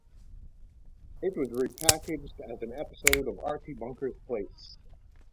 It was repackaged as an episode of "Archie Bunker's Place".